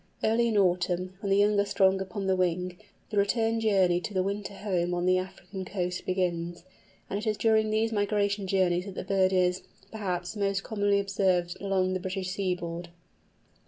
Early in autumn, when the young are strong upon the wing, the return journey to the winter home on the African coast begins, and it is during these migration journeys that the bird is, perhaps, most commonly observed along the British seaboard.